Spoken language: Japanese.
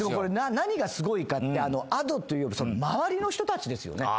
何がすごいってＡｄｏというより周りの人たちですよね。